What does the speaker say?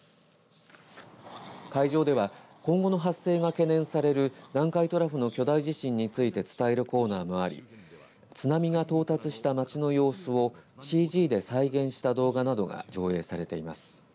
会場では今後の発生が懸念される南海トラフ巨大地震について伝えるコーナーがあり津波が到達した町の様子をＣＧで再現した動画などが上映されています。